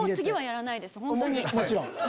もちろん。